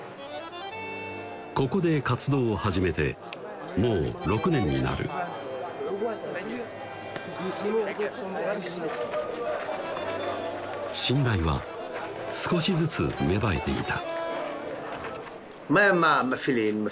ここで活動を始めてもう６年になる信頼は少しずつ芽生えていた